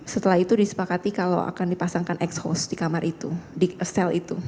setelah itu disepakati kalau akan dipasangkan ex house di kamar itu di sel itu